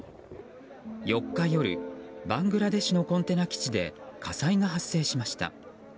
４日夜、バングラデシュのコンテナ基地で火災が発生しました。